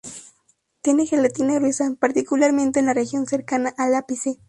Tiene gelatina gruesa, particularmente en la región cercana al ápice.